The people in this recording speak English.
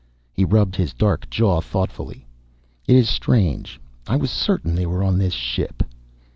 He rubbed his dark jaw thoughtfully. "It is strange. I was certain they were on this ship."